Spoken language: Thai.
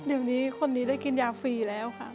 เดี๋ยวนี้คนนี้ได้กินยาฟรีแล้วค่ะ